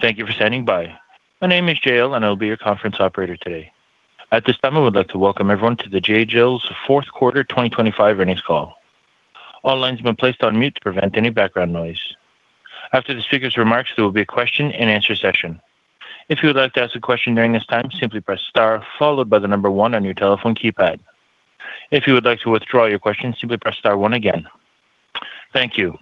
Thank you for standing by. My name is Jael, and I'll be your conference operator today. At this time, I would like to welcome everyone to the J.Jill's fourth quarter 2025 earnings call. All lines have been placed on mute to prevent any background noise. After the speaker's remarks, there will be a question-and-answer session. If you would like to ask a question during this time, simply press star followed by the number one on your telephone keypad. If you would like to withdraw your question, simply press star one again. Thank you.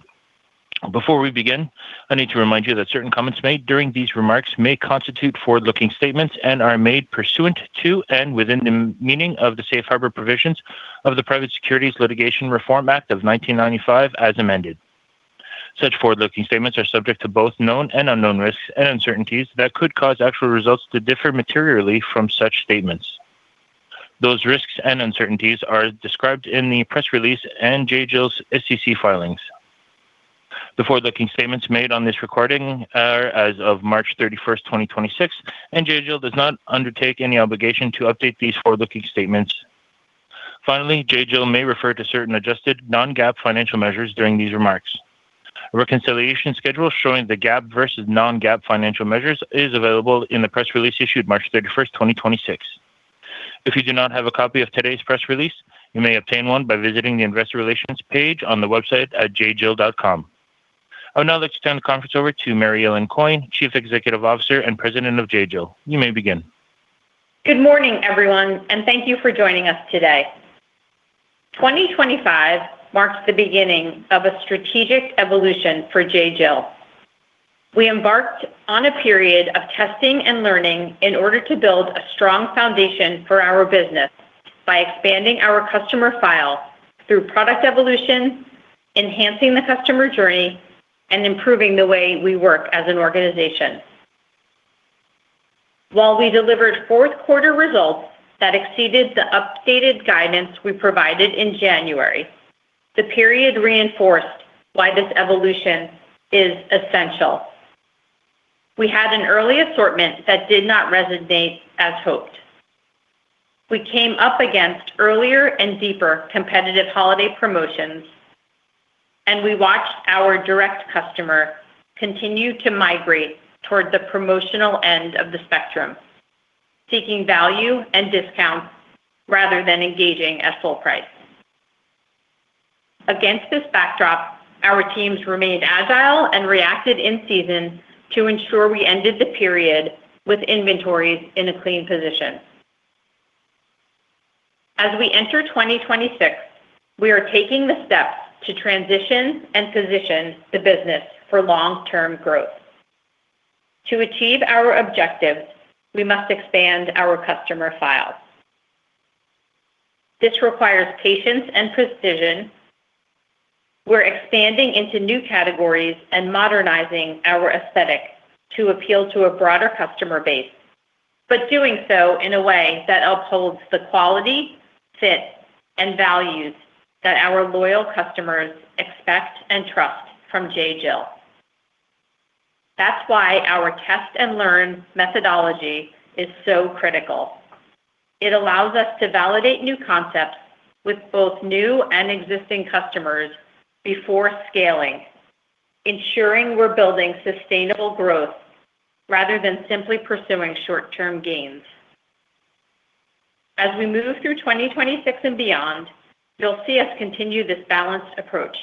Before we begin, I need to remind you that certain comments made during these remarks may constitute forward-looking statements and are made pursuant to and within the meaning of the Safe Harbor provisions of the Private Securities Litigation Reform Act of 1995, as amended. Such forward-looking statements are subject to both known and unknown risks and uncertainties that could cause actual results to differ materially from such statements. Those risks and uncertainties are described in the press release and J.Jill's SEC filings. The forward-looking statements made on this recording are as of March 31st, 2026, and J.Jill does not undertake any obligation to update these forward-looking statements. Finally, J.Jill may refer to certain adjusted non-GAAP financial measures during these remarks. A reconciliation schedule showing the GAAP versus non-GAAP financial measures is available in the press release issued March 31, 2026. If you do not have a copy of today's press release, you may obtain one by visiting the investor relations page on the website at jjill.com. I would now like to turn the conference over to Mary Ellen Coyne, Chief Executive Officer and President of J.Jill. You may begin. Good morning, everyone, and thank you for joining us today. 2025 marks the beginning of a strategic evolution for J.Jill. We embarked on a period of testing and learning in order to build a strong foundation for our business by expanding our customer file through product evolution, enhancing the customer journey, and improving the way we work as an organization. While we delivered fourth quarter results that exceeded the updated guidance we provided in January, the period reinforced why this evolution is essential. We had an early assortment that did not resonate as hoped. We came up against earlier and deeper competitive holiday promotions, and we watched our direct customer continue to migrate toward the promotional end of the spectrum, seeking value and discounts rather than engaging at full price. Against this backdrop, our teams remained agile and reacted in season to ensure we ended the period with inventories in a clean position. As we enter 2026, we are taking the steps to transition and position the business for long-term growth. To achieve our objectives, we must expand our customer files. This requires patience and precision. We're expanding into new categories and modernizing our aesthetic to appeal to a broader customer base, but doing so in a way that upholds the quality, fit, and values that our loyal customers expect and trust from J.Jill. That's why our test and learn methodology is so critical. It allows us to validate new concepts with both new and existing customers before scaling, ensuring we're building sustainable growth rather than simply pursuing short-term gains. As we move through 2026 and beyond, you'll see us continue this balanced approach,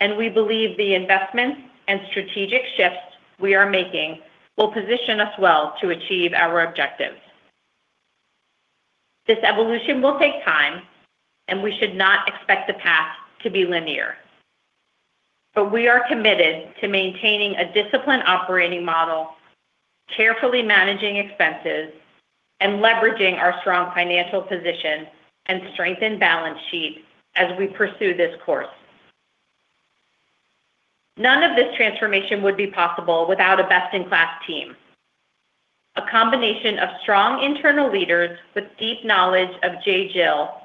and we believe the investments and strategic shifts we are making will position us well to achieve our objectives. This evolution will take time, and we should not expect the path to be linear. We are committed to maintaining a disciplined operating model, carefully managing expenses, and leveraging our strong financial position and strengthened balance sheet as we pursue this course. None of this transformation would be possible without a best-in-class team, a combination of strong internal leaders with deep knowledge of J.Jill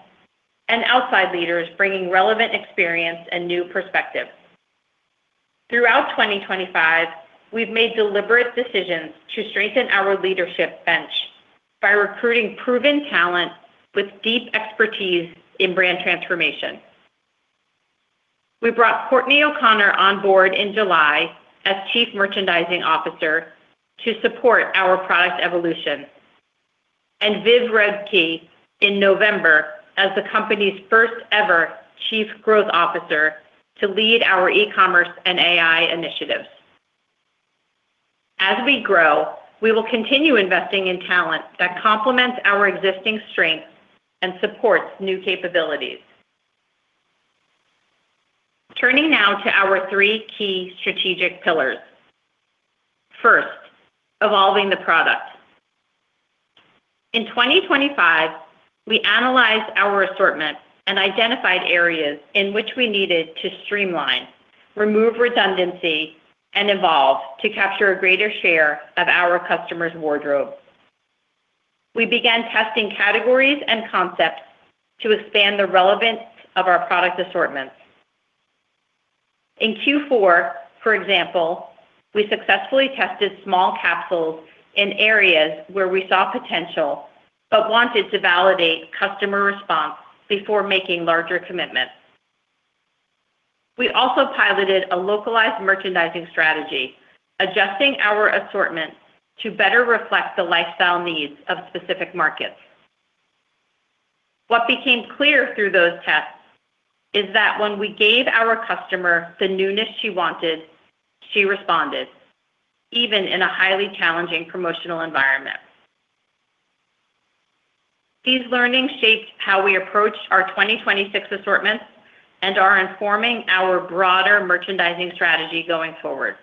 and outside leaders bringing relevant experience and new perspectives. Throughout 2025, we've made deliberate decisions to strengthen our leadership bench by recruiting proven talent with deep expertise in brand transformation. We brought Courtney O'Connor on board in July as Chief Merchandising Officer to support our product evolution and Viv Rettke in November as the company's first ever Chief Growth Officer to lead our e-commerce and AI initiatives. As we grow, we will continue investing in talent that complements our existing strengths and supports new capabilities. Turning now to our three key strategic pillars. First, evolving the product. In 2025, we analyzed our assortment and identified areas in which we needed to streamline, remove redundancy, and evolve to capture a greater share of our customers' wardrobe. We began testing categories and concepts to expand the relevance of our product assortments. In Q4, for example, we successfully tested small capsules in areas where we saw potential but wanted to validate customer response before making larger commitments. We also piloted a localized merchandising strategy, adjusting our assortment to better reflect the lifestyle needs of specific markets. What became clear through those tests is that when we gave our customer the newness she wanted, she responded, even in a highly challenging promotional environment. These learnings shaped how we approached our 2026 assortment and are informing our broader merchandising strategy going forward.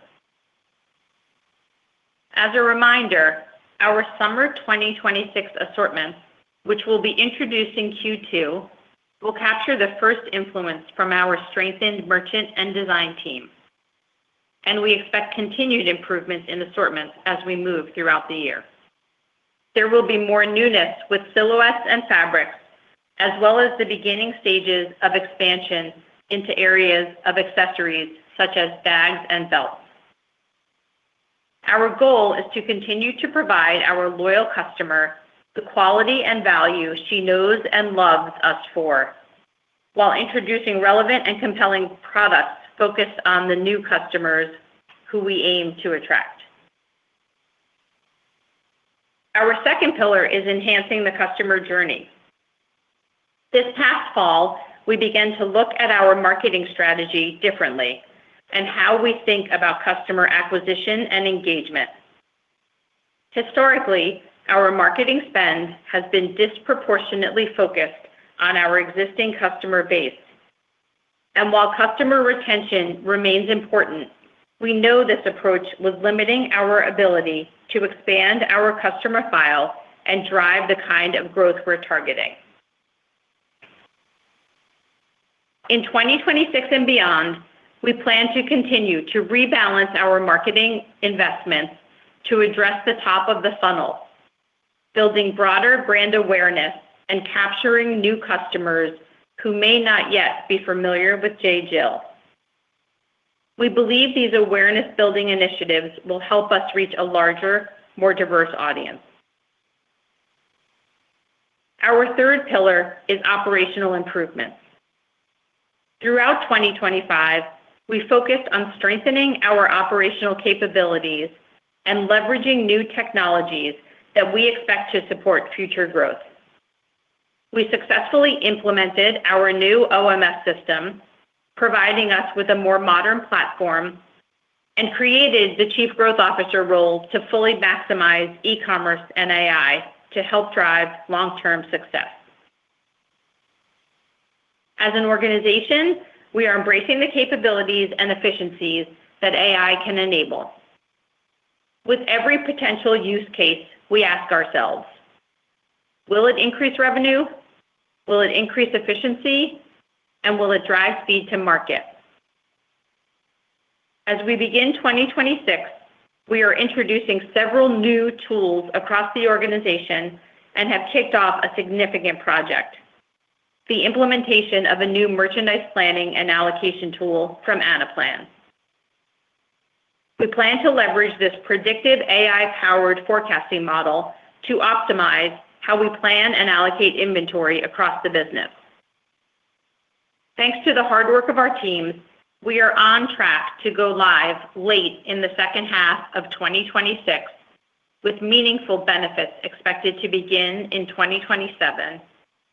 As a reminder, our summer 2026 assortment, which will be introduced in Q2, will capture the first influence from our strengthened merchant and design team. We expect continued improvement in assortment as we move throughout the year. There will be more newness with silhouettes and fabrics, as well as the beginning stages of expansion into areas of accessories such as bags and belts. Our goal is to continue to provide our loyal customer the quality and value she knows and loves us for, while introducing relevant and compelling products focused on the new customers who we aim to attract. Our second pillar is enhancing the customer journey. This past fall, we began to look at our marketing strategy differently and how we think about customer acquisition and engagement. Historically, our marketing spend has been disproportionately focused on our existing customer base. While customer retention remains important, we know this approach was limiting our ability to expand our customer file and drive the kind of growth we're targeting. In 2026 and beyond, we plan to continue to rebalance our marketing investments to address the top of the funnel, building broader brand awareness and capturing new customers who may not yet be familiar with J.Jill. We believe these awareness-building initiatives will help us reach a larger, more diverse audience. Our third pillar is operational improvements. Throughout 2025, we focused on strengthening our operational capabilities and leveraging new technologies that we expect to support future growth. We successfully implemented our new OMS system, providing us with a more modern platform and created the Chief Growth Officer role to fully maximize e-commerce and AI to help drive long-term success. As an organization, we are embracing the capabilities and efficiencies that AI can enable. With every potential use case, we ask ourselves, "Will it increase revenue? Will it increase efficiency? Will it drive speed to market?" As we begin 2026, we are introducing several new tools across the organization and have kicked off a significant project, the implementation of a new merchandise planning and allocation tool from Anaplan. We plan to leverage this predictive AI-powered forecasting model to optimize how we plan and allocate inventory across the business. Thanks to the hard work of our teams, we are on track to go live late in the second half of 2026, with meaningful benefits expected to begin in 2027,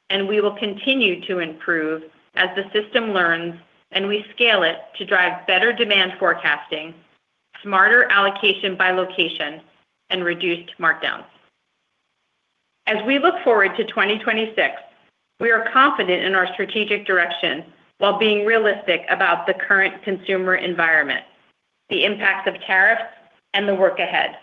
and we will continue to improve as the system learns, and we scale it to drive better demand forecasting, smarter allocation by location, and reduced markdowns. As we look forward to 2026, we are confident in our strategic direction while being realistic about the current consumer environment, the impact of tariffs, and the work ahead.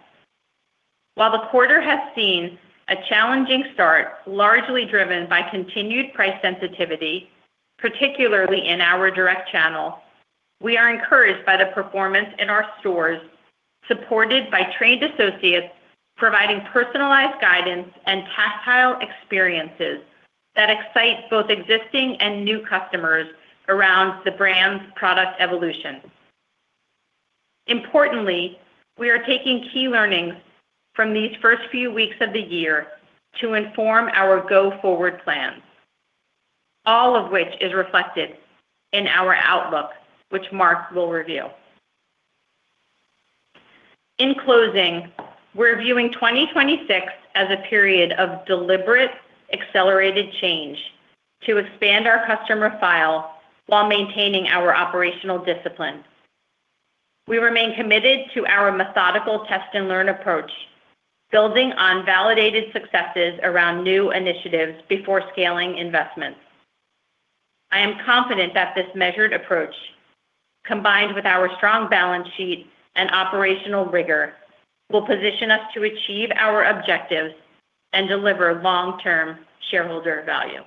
While the quarter has seen a challenging start, largely driven by continued price sensitivity, particularly in our direct channel, we are encouraged by the performance in our stores, supported by trained associates, providing personalized guidance and tactile experiences that excite both existing and new customers around the brand's product evolution. Importantly, we are taking key learnings from these first few weeks of the year to inform our go-forward plans, all of which is reflected in our outlook, which Mark will review. In closing, we're viewing 2026 as a period of deliberate, accelerated change to expand our customer file while maintaining our operational discipline. We remain committed to our methodical test and learn approach, building on validated successes around new initiatives before scaling investments. I am confident that this measured approach, combined with our strong balance sheet and operational rigor, will position us to achieve our objectives and deliver long-term shareholder value.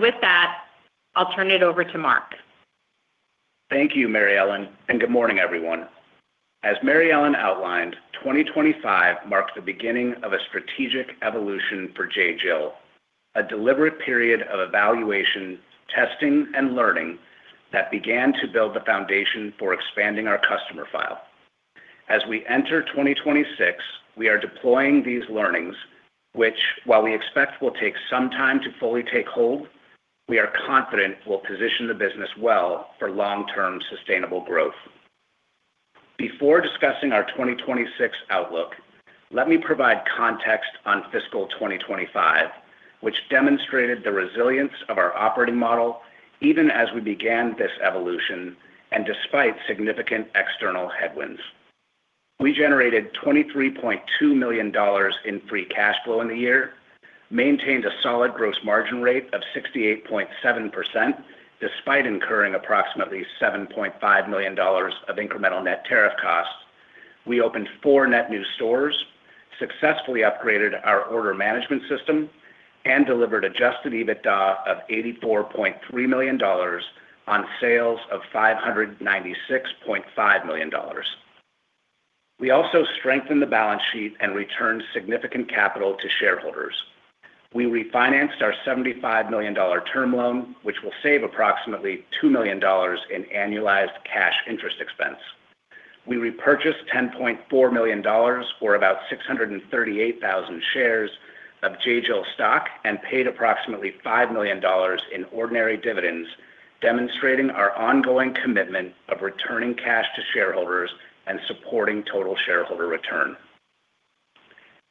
With that, I'll turn it over to Mark. Thank you, Mary Ellen, and good morning, everyone. As Mary Ellen outlined, 2025 marked the beginning of a strategic evolution for J.Jill, a deliberate period of evaluation, testing, and learning that began to build the foundation for expanding our customer file. As we enter 2026, we are deploying these learnings which, while we expect will take some time to fully take hold, we are confident will position the business well for long-term sustainable growth. Before discussing our 2026 outlook, let me provide context on fiscal 2025, which demonstrated the resilience of our operating model even as we began this evolution and despite significant external headwinds. We generated $23.2 million in free cash flow in the year, maintained a solid gross margin rate of 68.7% despite incurring approximately $7.5 million of incremental net tariff costs. We opened four net new stores, successfully upgraded our order management system, and delivered adjusted EBITDA of $84.3 million on sales of $596.5 million. We also strengthened the balance sheet and returned significant capital to shareholders. We refinanced our $75 million term loan, which will save approximately $2 million in annualized cash interest expense. We repurchased $10.4 million, or about 638,000 shares of J.Jill stock and paid approximately $5 million in ordinary dividends, demonstrating our ongoing commitment of returning cash to shareholders and supporting total shareholder return.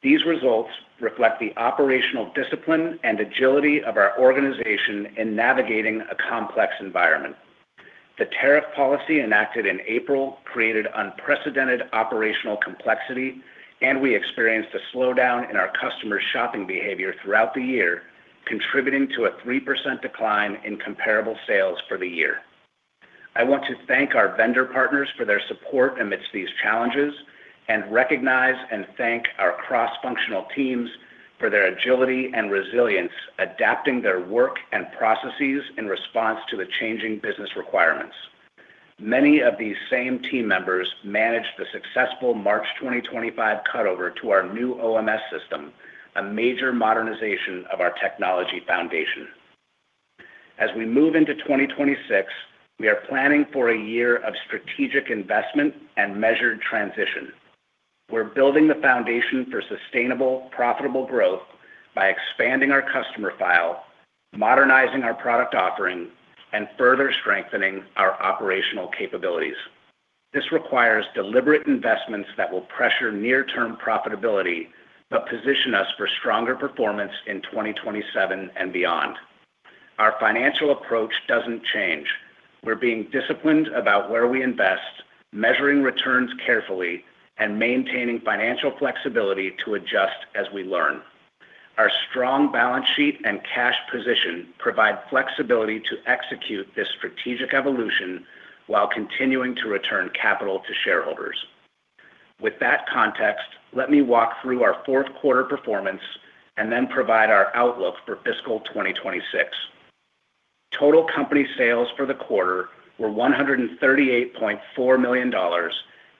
These results reflect the operational discipline and agility of our organization in navigating a complex environment. The tariff policy enacted in April created unprecedented operational complexity, and we experienced a slowdown in our customers' shopping behavior throughout the year, contributing to a 3% decline in comparable sales for the year. I want to thank our vendor partners for their support amidst these challenges and recognize and thank our cross-functional teams for their agility and resilience, adapting their work and processes in response to the changing business requirements. Many of these same team members managed the successful March 2025 cutover to our new OMS system, a major modernization of our technology foundation. As we move into 2026, we are planning for a year of strategic investment and measured transition. We're building the foundation for sustainable, profitable growth by expanding our customer file, modernizing our product offering, and further strengthening our operational capabilities. This requires deliberate investments that will pressure near-term profitability but position us for stronger performance in 2027 and beyond. Our financial approach doesn't change. We're being disciplined about where we invest, measuring returns carefully, and maintaining financial flexibility to adjust as we learn. Our strong balance sheet and cash position provide flexibility to execute this strategic evolution while continuing to return capital to shareholders. With that context, let me walk through our fourth quarter performance and then provide our outlook for fiscal 2026. Total company sales for the quarter were $138.4 million,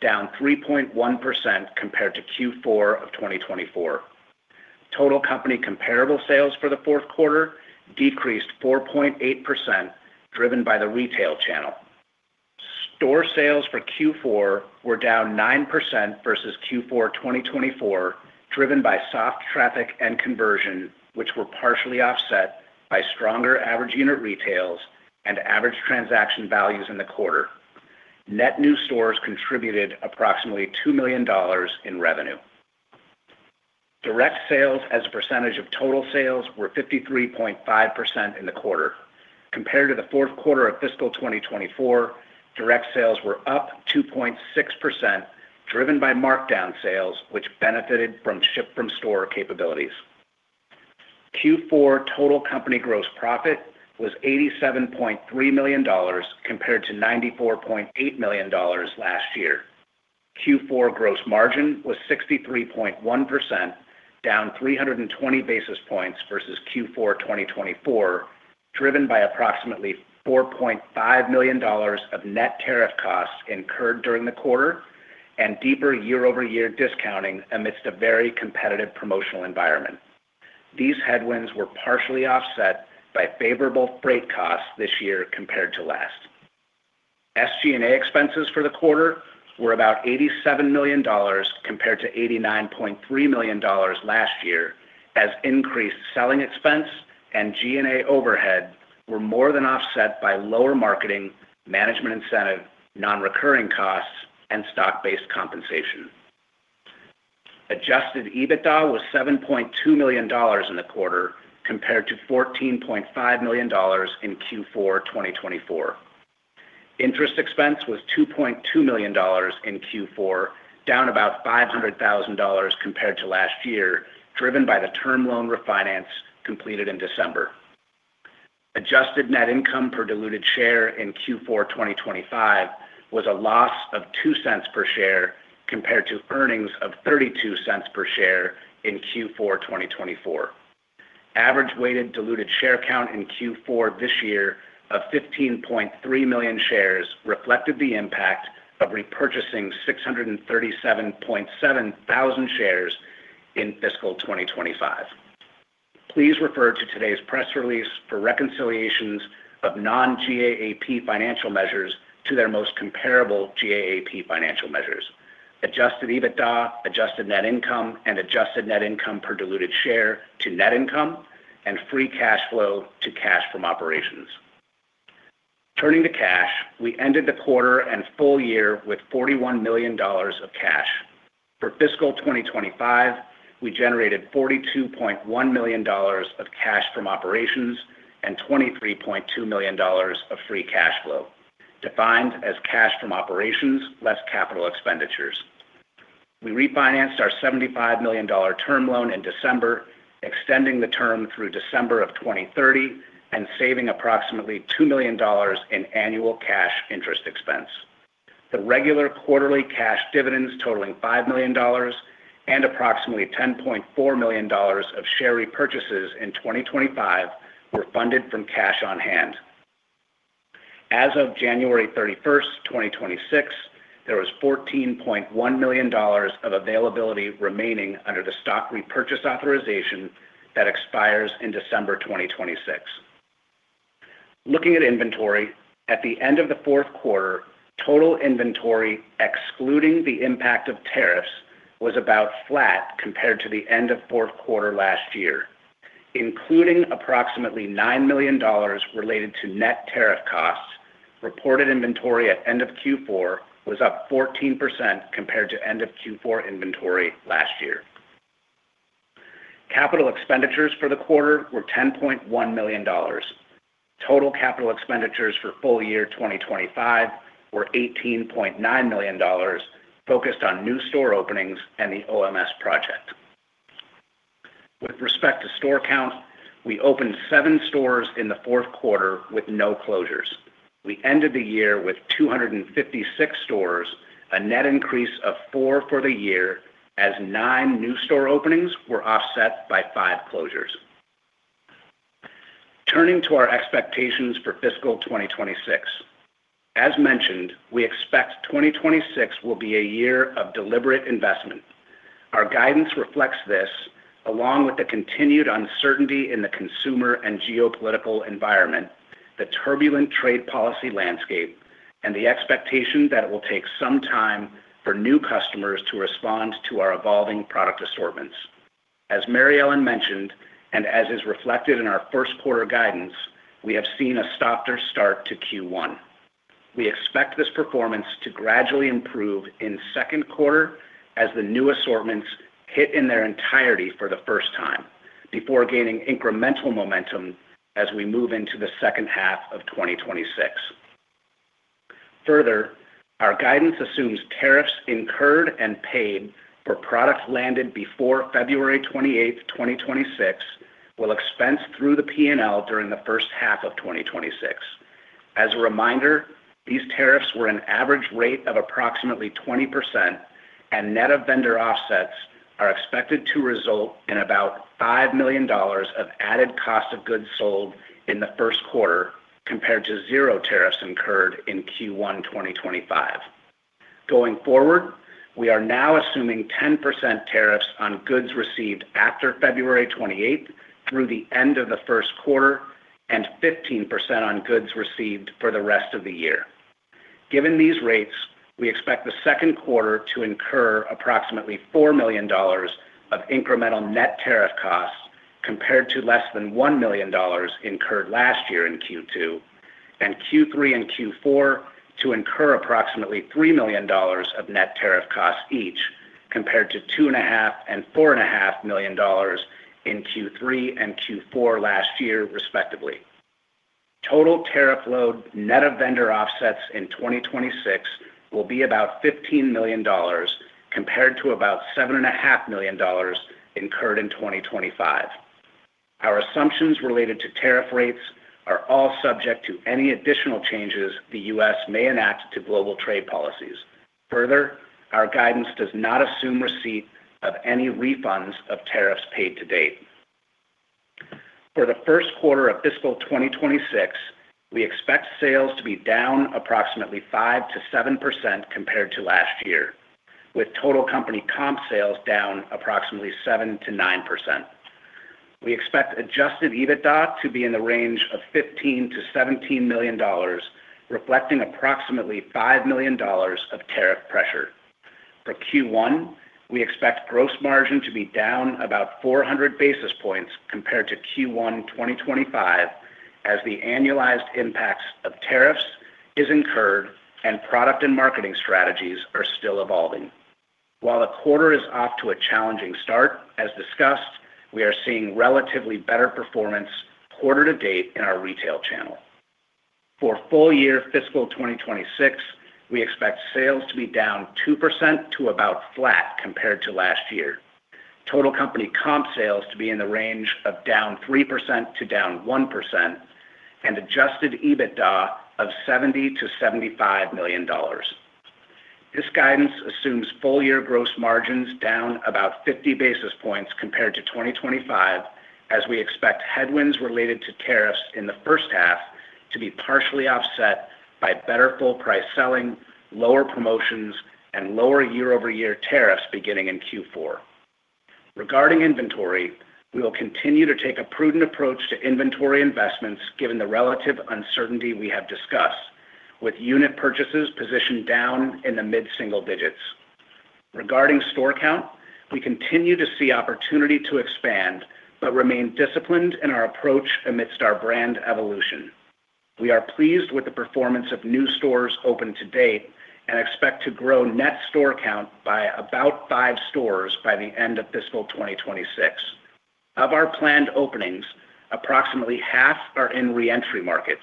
down 3.1% compared to Q4 of 2024. Total company comparable sales for the fourth quarter decreased 4.8%, driven by the retail channel. Store sales for Q4 were down 9% versus Q4 2024, driven by soft traffic and conversion, which were partially offset by stronger Average Unit Retails and average transaction values in the quarter. Net new stores contributed approximately $2 million in revenue. Direct sales as a percentage of total sales were 53.5% in the quarter. Compared to the fourth quarter of fiscal 2024, direct sales were up 2.6%, driven by markdown sales, which benefited from ship from store capabilities. Q4 total company gross profit was $87.3 million compared to $94.8 million last year. Q4 gross margin was 63.1%, down 320 basis points versus Q4 2024, driven by approximately $4.5 million of net tariff costs incurred during the quarter and deeper year-over-year discounting amidst a very competitive promotional environment. These headwinds were partially offset by favorable freight costs this year compared to last. SG&A expenses for the quarter were about $87 million compared to $89.3 million last year, as increased selling expense and G&A overhead were more than offset by lower marketing, management incentive, non-recurring costs, and stock-based compensation. Adjusted EBITDA was $7.2 million in the quarter compared to $14.5 million in Q4 2024. Interest expense was $2.2 million in Q4, down about $500,000 compared to last year, driven by the term loan refinance completed in December. Adjusted net income per diluted share in Q4 2025 was a loss of $0.02 per share compared to earnings of $0.32 per share in Q4 2024. Average weighted diluted share count in Q4 this year of 15.3 million shares reflected the impact of repurchasing 637.7 thousand shares in fiscal 2025. Please refer to today's press release for reconciliations of non-GAAP financial measures to their most comparable GAAP financial measures. Adjusted EBITDA, adjusted net income, and adjusted net income per diluted share to net income, and free cash flow to cash from operations. Turning to cash, we ended the quarter and full year with $41 million of cash. For fiscal 2025, we generated $42.1 million of cash from operations and $23.2 million of free cash flow, defined as cash from operations less capital expenditures. We refinanced our $75 million term loan in December, extending the term through December of 2030 and saving approximately $2 million in annual cash interest expense. The regular quarterly cash dividends totaling $5 million and approximately $10.4 million of share repurchases in 2025 were funded from cash on hand. As of January 31st, 2026, there was $14.1 million of availability remaining under the stock repurchase authorization that expires in December 2026. Looking at inventory, at the end of the fourth quarter, total inventory excluding the impact of tariffs was about flat compared to the end of fourth quarter last year. Including approximately $9 million related to net tariff costs, reported inventory at end of Q4 was up 14% compared to end of Q4 inventory last year. Capital expenditures for the quarter were $10.1 million. Total capital expenditures for full year 2025 were $18.9 million focused on new store openings and the OMS project. With respect to store count, we opened seven stores in the fourth quarter with no closures. We ended the year with 256 stores, a net increase of four for the year asnine new store openings were offset by five closures. Turning to our expectations for fiscal 2026. As mentioned, we expect 2026 will be a year of deliberate investment. Our guidance reflects this along with the continued uncertainty in the consumer and geopolitical environment, the turbulent trade policy landscape, and the expectation that it will take some time for new customers to respond to our evolving product assortments. As Mary Ellen mentioned, and as is reflected in our first quarter guidance, we have seen a softer start to Q1. We expect this performance to gradually improve in second quarter as the new assortments hit in their entirety for the first time before gaining incremental momentum as we move into the second half of 2026. Further, our guidance assumes tariffs incurred and paid for products landed before February 28, 2026 will expense through the P&L during the first half of 2026. As a reminder, these tariffs were an average rate of approximately 20% and net of vendor offsets are expected to result in about $5 million of added cost of goods sold in the first quarter compared to 0 tariffs incurred in Q1 2025. Going forward, we are now assuming 10% tariffs on goods received after February 28 through the end of the first quarter and 15% on goods received for the rest of the year. Given these rates, we expect the second quarter to incur approximately $4 million of incremental net tariff costs compared to less than $1 million incurred last year in Q2, and Q3 and Q4 to incur approximately $3 million of net tariff costs each compared to $2.5 million and $4.5 million in Q3 and Q4 last year, respectively. Total tariff load net of vendor offsets in 2026 will be about $15 million compared to about $7.5 million incurred in 2025. Our assumptions related to tariff rates are all subject to any additional changes the U.S. may enact to global trade policies. Further, our guidance does not assume receipt of any refunds of tariffs paid to date. For the first quarter of fiscal 2026, we expect sales to be down approximately 5%-7% compared to last year, with total company comp sales down approximately 7%-9%. We expect adjusted EBITDA to be in the range of $15 million-$17 million, reflecting approximately $5 million of tariff pressure. For Q1, we expect gross margin to be down about 400 basis points compared to Q1 2025 as the annualized impacts of tariffs is incurred and product and marketing strategies are still evolving. While the quarter is off to a challenging start, as discussed, we are seeing relatively better performance quarter to date in our retail channel. For full year fiscal 2026, we expect sales to be down 2% to about flat compared to last year. Total company comp sales to be in the range of down 3% to down 1% and adjusted EBITDA of $70 million-$75 million. This guidance assumes full year gross margins down about 50 basis points compared to 2025, as we expect headwinds related to tariffs in the first half to be partially offset by better full price selling, lower promotions, and lower year-over-year tariffs beginning in Q4. Regarding inventory, we will continue to take a prudent approach to inventory investments given the relative uncertainty we have discussed with unit purchases positioned down in the mid-single digits. Regarding store count, we continue to see opportunity to expand but remain disciplined in our approach amidst our brand evolution. We are pleased with the performance of new stores open to date and expect to grow net store count by about five stores by the end of fiscal 2026. Of our planned openings, approximately half are in re-entry markets.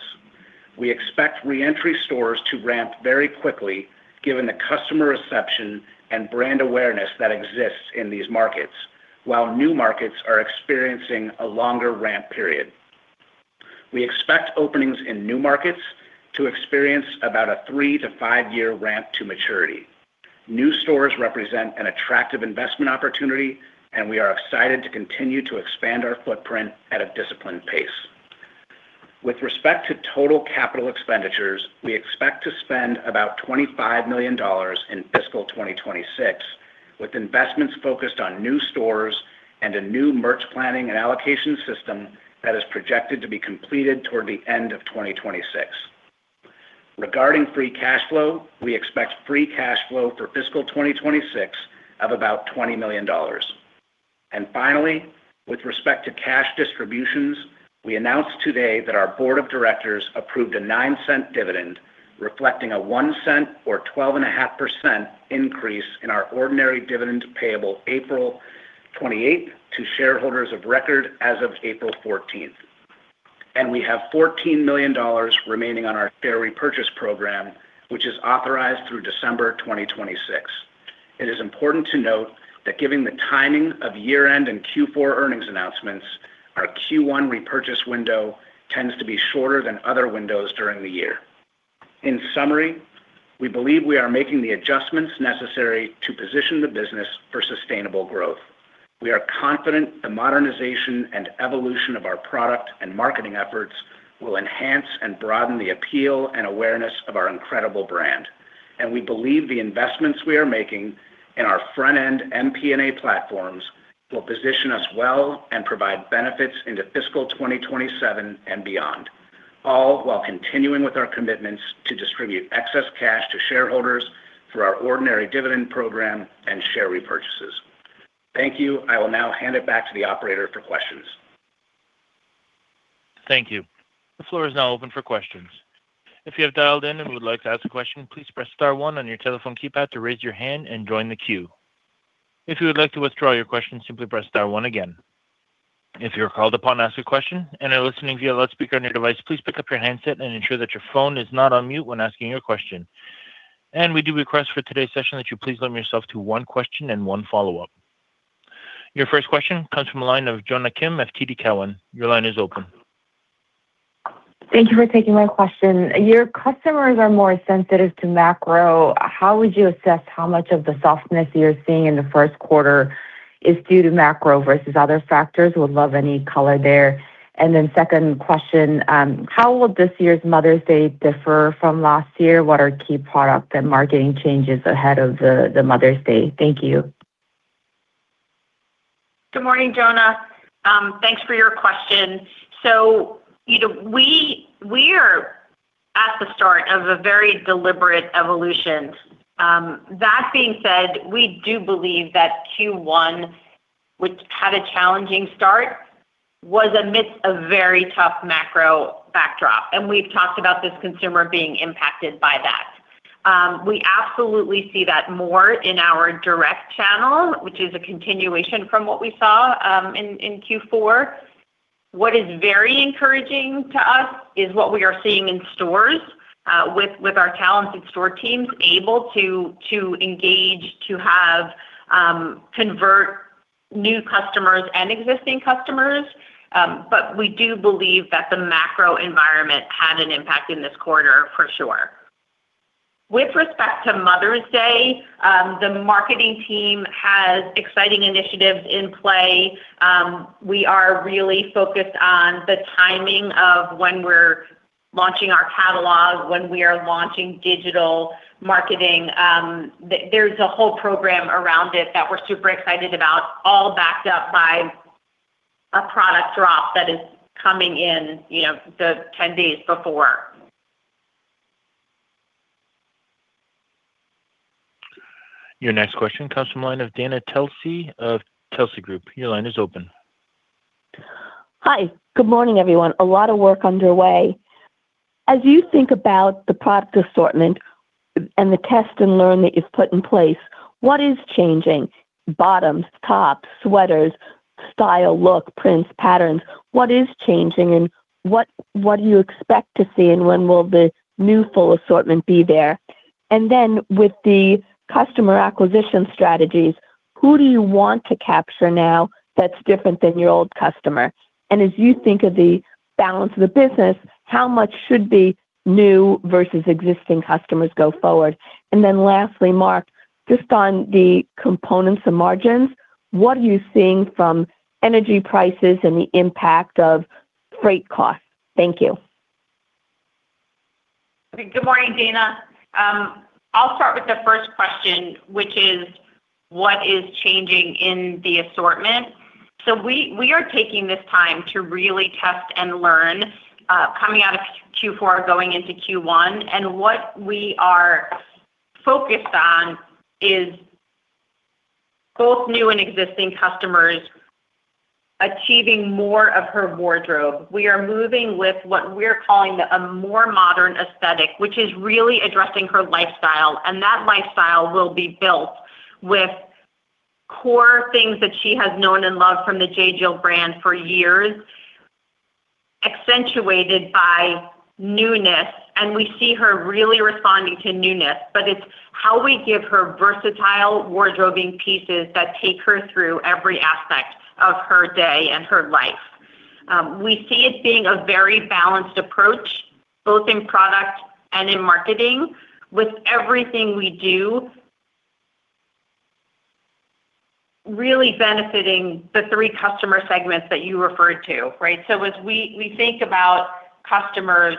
We expect re-entry stores to ramp very quickly given the customer reception and brand awareness that exists in these markets. While new markets are experiencing a longer ramp period. We expect openings in new markets to experience about a three- to five-year ramp to maturity. New stores represent an attractive investment opportunity, and we are excited to continue to expand our footprint at a disciplined pace. With respect to total capital expenditures, we expect to spend about $25 million in fiscal 2026, with investments focused on new stores and a new merch planning and allocation system that is projected to be completed toward the end of 2026. Regarding free cash flow, we expect free cash flow for fiscal 2026 of about $20 million. Finally, with respect to cash distributions, we announced today that our board of directors approved a $0.09 dividend, reflecting a $0.01 or 12.5% increase in our ordinary dividend payable April 28 to shareholders of record as of April 14. We have $14 million remaining on our share repurchase program, which is authorized through December 2026. It is important to note that given the timing of year-end and Q4 earnings announcements, our Q1 repurchase window tends to be shorter than other windows during the year. In summary, we believe we are making the adjustments necessary to position the business for sustainable growth. We are confident the modernization and evolution of our product and marketing efforts will enhance and broaden the appeal and awareness of our incredible brand. We believe the investments we are making in our front-end MP&A platforms will position us well and provide benefits into fiscal 2027 and beyond, all while continuing with our commitments to distribute excess cash to shareholders through our ordinary dividend program and share repurchases. Thank you. I will now hand it back to the operator for questions. Thank you. The floor is now open for questions. If you have dialed in and would like to ask a question, please press star one on your telephone keypad to raise your hand and join the queue. If you would like to withdraw your question, simply press star one again. If you're called upon to ask a question and are listening via loudspeaker on your device, please pick up your handset and ensure that your phone is not on mute when asking your question. We do request for today's session that you please limit yourself to one question and one follow-up. Your first question comes from the line of Jonna Kim at TD Cowen. Your line is open. Thank you for taking my question. Your customers are more sensitive to macro. How would you assess how much of the softness you're seeing in the first quarter is due to macro versus other factors? Would love any color there. Second question, how will this year's Mother's Day differ from last year? What are key product and marketing changes ahead of the Mother's Day? Thank you. Good morning, Jonna. Thanks for your question. You know, we are at the start of a very deliberate evolution. That being said, we do believe that Q1, which had a challenging start, was amidst a very tough macro backdrop, and we've talked about this consumer being impacted by that. We absolutely see that more in our direct channel, which is a continuation from what we saw in Q4. What is very encouraging to us is what we are seeing in stores with our talented store teams able to engage, convert new customers and existing customers. We do believe that the macro environment had an impact in this quarter for sure. With respect to Mother's Day, the marketing team has exciting initiatives in play. We are really focused on the timing of when we're launching our catalog, when we are launching digital marketing. There's a whole program around it that we're super excited about, all backed up by a product drop that is coming in, you know, the 10 days before. Your next question comes from the line of Dana Telsey of Telsey Group. Your line is open. Hi. Good morning, everyone. A lot of work underway. As you think about the product assortment and the test and learn that you've put in place, what is changing? Bottoms, tops, sweaters, style, look, prints, patterns. What is changing, and what do you expect to see, and when will the new full assortment be there? With the customer acquisition strategies, who do you want to capture now that's different than your old customer? As you think of the balance of the business, how much should be new versus existing customers go forward? Lastly, Mark, just on the components and margins, what are you seeing from energy prices and the impact of freight costs? Thank you. Good morning, Dana. I'll start with the first question, which is what is changing in the assortment? We are taking this time to really test and learn, coming out of Q4, going into Q1. What we are focused on is both new and existing customers achieving more of her wardrobe. We are moving with what we're calling a more modern aesthetic, which is really addressing her lifestyle. That lifestyle will be built with core things that she has known and loved from the J.Jill brand for years, accentuated by newness. We see her really responding to newness, but it's how we give her versatile wardrobing pieces that take her through every aspect of her day and her life. We see it being a very balanced approach both in product and in marketing with everything we do really benefiting the three customer segments that you referred to. Right? As we think about customers,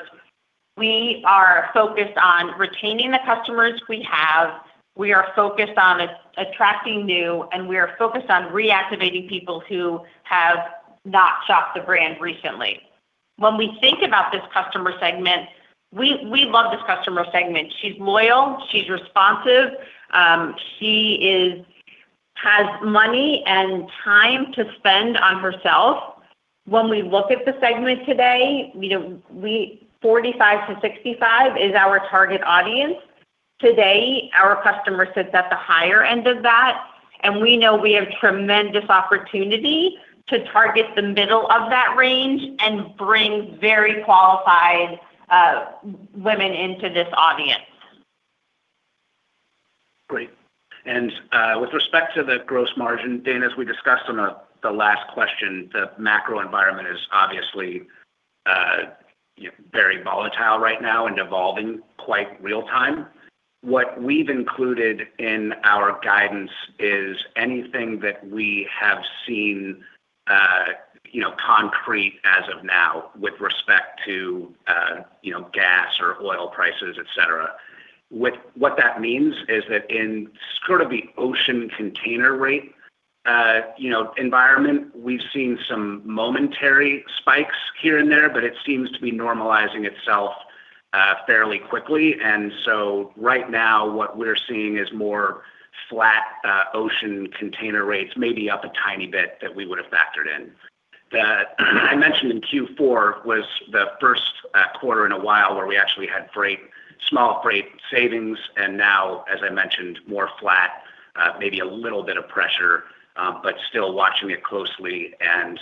we are focused on retaining the customers we have. We are focused on attracting new, and we are focused on reactivating people who have not shopped the brand recently. When we think about this customer segment, we love this customer segment. She's loyal, she's responsive, she has money and time to spend on herself. When we look at the segment today, you know, 45-65 is our target audience. Today, our customer sits at the higher end of that, and we know we have tremendous opportunity to target the middle of that range and bring very qualified women into this audience. Great. With respect to the gross margin, Dana, as we discussed on the last question, the macro environment is obviously very volatile right now and evolving in real time. What we've included in our guidance is anything that we have seen, you know, concrete as of now with respect to, you know, gas or oil prices, et cetera. What that means is that in sort of the ocean container rate, you know, environment, we've seen some momentary spikes here and there, but it seems to be normalizing itself fairly quickly. Right now what we're seeing is more flat ocean container rates, maybe up a tiny bit that we would've factored in. I mentioned in Q4 was the first quarter in a while where we actually had freight and small freight savings. Now, as I mentioned, more flat, maybe a little bit of pressure, but still watching it closely and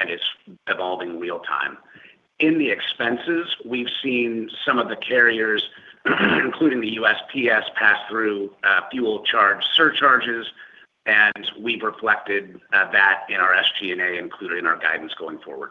it's evolving real time. In the expenses, we've seen some of the carriers, including the USPS, pass through fuel charge surcharges, and we've reflected that in our SG&A, including our guidance going forward.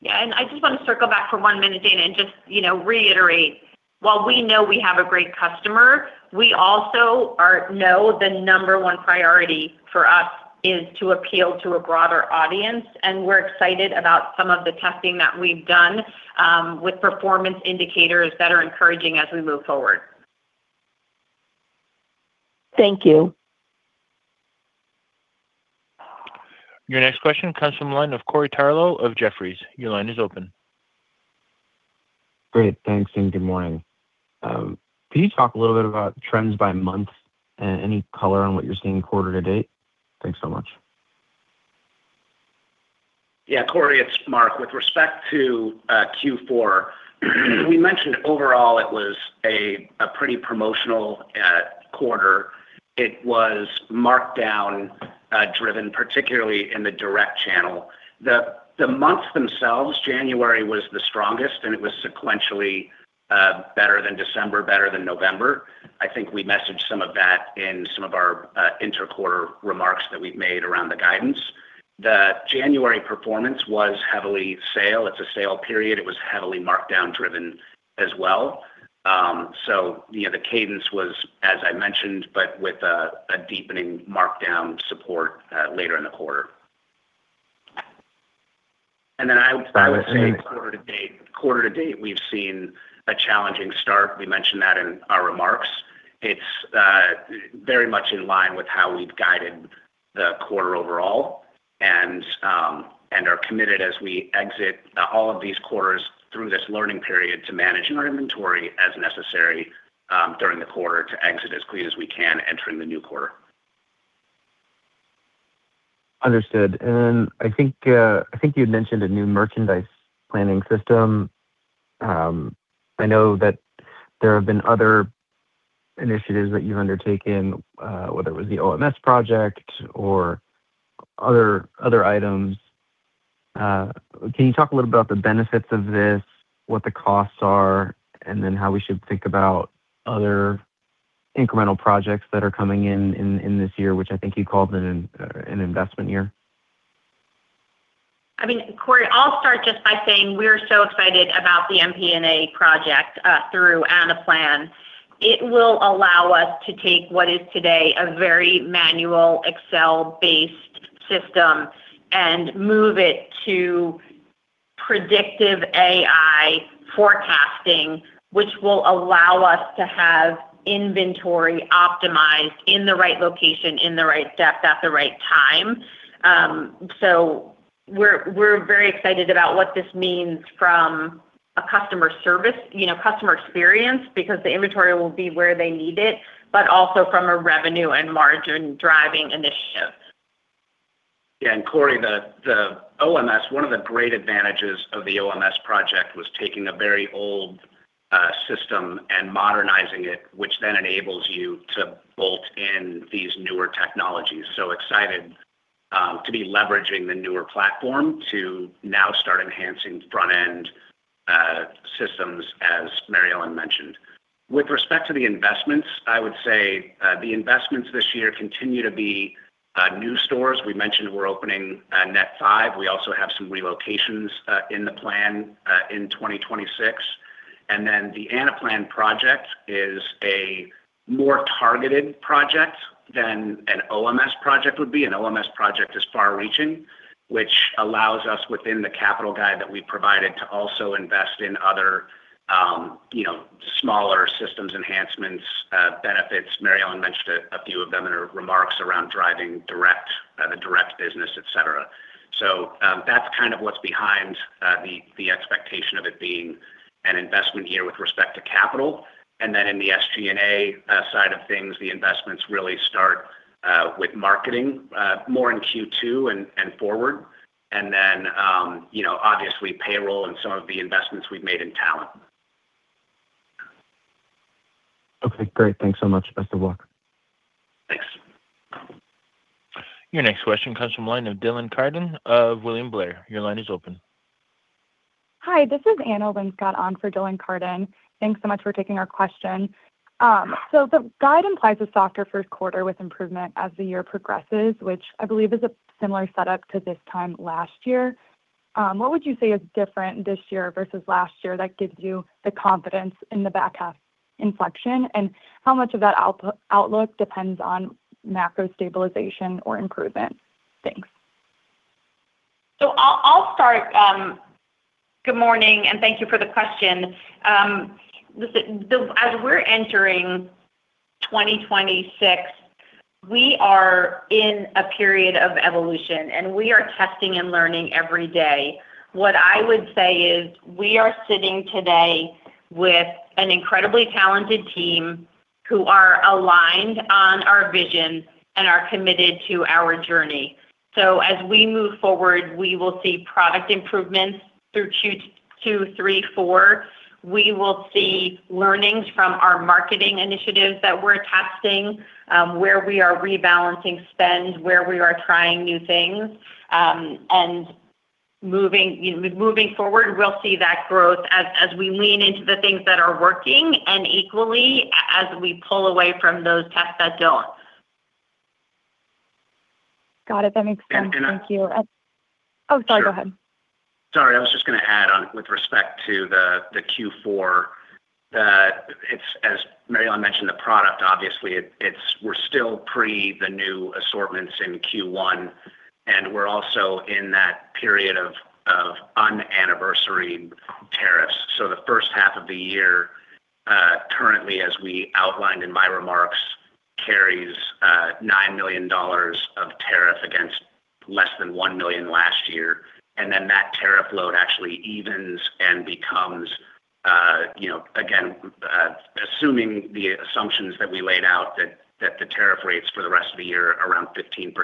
Yeah. I just wanna circle back for one minute, Dana, and just, you know, reiterate. While we know we have a great customer, we also know the number one priority for us is to appeal to a broader audience, and we're excited about some of the testing that we've done with performance indicators that are encouraging as we move forward. Thank you. Your next question comes from the line of Corey Tarlowe of Jefferies. Your line is open. Great. Thanks, and good morning. Can you talk a little bit about trends by month and any color on what you're seeing quarter to date? Thanks so much. Yeah, Corey, it's Mark. With respect to Q4, we mentioned overall it was a pretty promotional quarter. It was markdown driven particularly in the direct channel. The months themselves, January was the strongest, and it was sequentially better than December, better than November. I think we messaged some of that in some of our interquarter remarks that we've made around the guidance. The January performance was heavily sale. It was a sale period. It was heavily markdown driven as well. You know, the cadence was as I mentioned, but with a deepening markdown support later in the quarter. I would say quarter to date, we've seen a challenging start. We mentioned that in our remarks. It's very much in line with how we've guided the quarter overall and are committed as we exit all of these quarters through this learning period to manage our inventory as necessary during the quarter to exit as clean as we can entering the new quarter. Understood. I think you'd mentioned a new merchandise planning system. I know that there have been other initiatives that you've undertaken, whether it was the OMS project or other items. Can you talk a little bit about the benefits of this, what the costs are, and then how we should think about other incremental projects that are coming in this year, which I think you called an investment year? I mean, Corey, I'll start just by saying we're so excited about the MP&A project through Anaplan. It will allow us to take what is today a very manual Excel-based system and move it to predictive AI forecasting which will allow us to have inventory optimized in the right location, in the right depth, at the right time. We're very excited about what this means from a customer service, you know, customer experience because the inventory will be where they need it, but also from a revenue and margin driving initiative. Corey Tarlowe, the OMS, one of the great advantages of the OMS project was taking a very old system and modernizing it, which then enables you to bolt in these newer technologies. Excited to be leveraging the newer platform to now start enhancing front-end systems as Mary Ellen Coyne mentioned. With respect to the investments, I would say the investments this year continue to be new stores. We mentioned we're opening a net five. We also have some relocations in the plan in 2026. The Anaplan project is a more targeted project than an OMS project would be. An OMS project is far-reaching, which allows us within the capital guidance that we provided to also invest in other, you know, smaller systems enhancements, benefits. Mary Ellen mentioned a few of them in her remarks around driving direct, the direct business, etc. That's kind of what's behind the expectation of it being an investment year with respect to capital. In the SG&A side of things, the investments really start with marketing more in Q2 and forward. You know, obviously payroll and some of the investments we've made in talent. Okay, great. Thanks so much. Best of luck. Thanks. Your next question comes from the line of Dylan Carden of William Blair. Your line is open. Hi, this is Anna Linscott on for Dylan Carden. Thanks so much for taking our question. The guide implies a softer first quarter with improvement as the year progresses, which I believe is a similar setup to this time last year. What would you say is different this year versus last year that gives you the confidence in the back half inflection? And how much of that outlook depends on macro stabilization or improvement? Thanks. I'll start. Good morning, and thank you for the question. Listen, as we're entering 2026, we are in a period of evolution, and we are testing and learning every day. What I would say is we are sitting today with an incredibly talented team who are aligned on our vision and are committed to our journey. As we move forward, we will see product improvements through 2022, 2023, 2024. We will see learnings from our marketing initiatives that we're testing, where we are rebalancing spend, where we are trying new things. Moving, you know, forward, we'll see that growth as we lean into the things that are working and equally as we pull away from those tests that don't. Got it. That makes sense. Thank you. Oh, sorry, go ahead. Sorry, I was just gonna add on with respect to the Q4, that it's, as Mary Ellen mentioned, the product, obviously, it's we're still pre the new assortments in Q1, and we're also in that period of unanniversary tariffs. The first half of the year, currently, as we outlined in my remarks, carries $9 million of tariff against less than $1 million last year. That tariff load actually evens and becomes, you know, again, assuming the assumptions that we laid out that the tariff rates for the rest of the year around 15%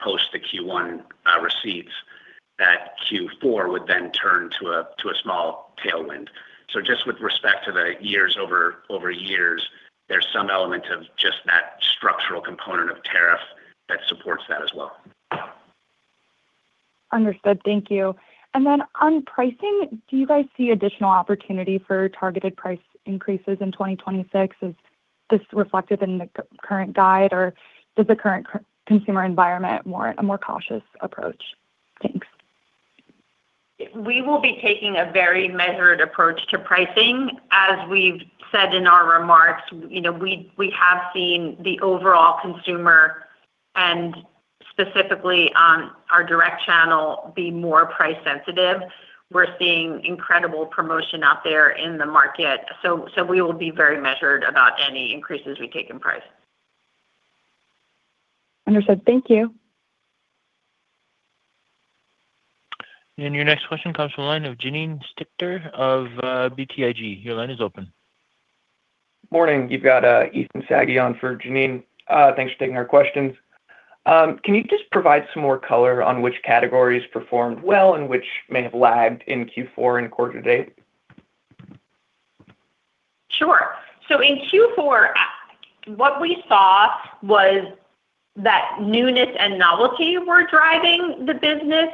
post the Q1 receipts, that Q4 would then turn to a small tailwind. Just with respect to the year-over-year, there's some element of just that structural component of tariff that supports that as well. Understood. Thank you. On pricing, do you guys see additional opportunity for targeted price increases in 2026? Is this reflected in the current guide, or does the current consumer environment warrant a more cautious approach? Thanks. We will be taking a very measured approach to pricing. As we've said in our remarks, you know, we have seen the overall consumer and specifically on our direct channel be more price sensitive. We're seeing incredible promotion out there in the market. We will be very measured about any increases we take in price. Understood. Thank you. Your next question comes from the line of Janine Stichter of BTIG. Your line is open. Morning. You've got Ethan Saghi on for Janine. Thanks for taking our questions. Can you just provide some more color on which categories performed well and which may have lagged in Q4 and quarter to date? Sure. In Q4, what we saw was that newness and novelty were driving the business.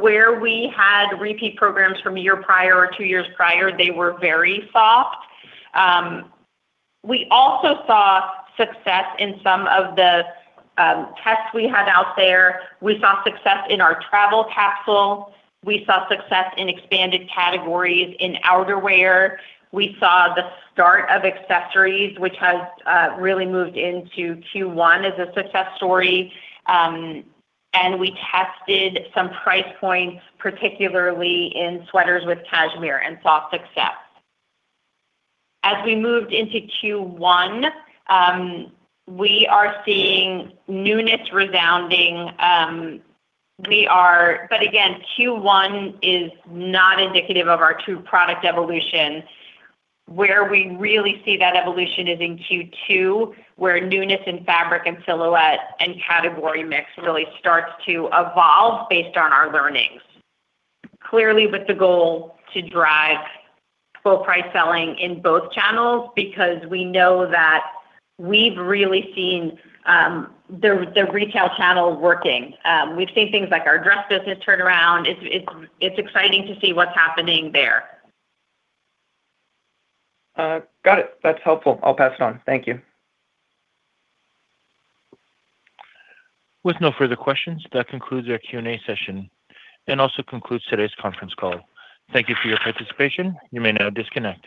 Where we had repeat programs from a year prior or two years prior, they were very soft. We also saw success in some of the tests we had out there. We saw success in our travel capsule. We saw success in expanded categories in outerwear. We saw the start of accessories, which has really moved into Q1 as a success story. We tested some price points, particularly in sweaters with cashmere, and saw success. As we moved into Q1, we are seeing newness resounding. Again, Q1 is not indicative of our true product evolution. Where we really see that evolution is in Q2, where newness in fabric and silhouette and category mix really starts to evolve based on our learnings. Clearly with the goal to drive full price selling in both channels because we know that we've really seen the retail channel working. We've seen things like our dress business turn around. It's exciting to see what's happening there. Got it. That's helpful. I'll pass it on. Thank you. With no further questions, that concludes our Q&A session and also concludes today's conference call. Thank you for your participation. You may now disconnect.